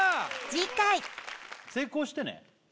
次回成功してね？